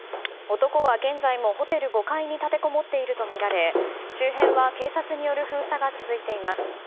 男は現在もホテル５階に立てこもっているとみられ周辺は警察による封鎖が続いています。